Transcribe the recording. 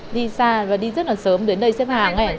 đi xa và đi rất là sớm đến đây xếp hàng